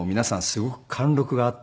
すごく貫禄があって。